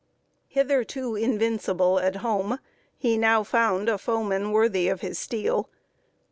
Hitherto invincible at home, he now found a foeman worthy of his steel.